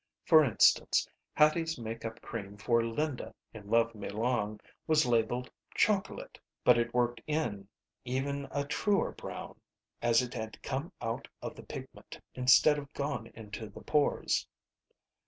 For instance, Hattie's make up cream for Linda in "Love Me Long" was labeled "Chocolate." But it worked in even a truer brown, as if it had come out of the pigment instead of gone into the pores.